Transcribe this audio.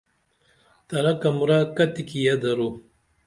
ترہ کمرہ کتیکیہ درو؟